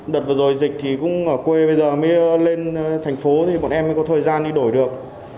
đợt vừa rồi dịch thì cũng ở quê bây giờ mới lên thành phố thì bọn em mới có thời gian đi đổi được